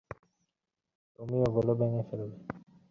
তুমি ওগুলো ভেঙ্গে ফেলবে।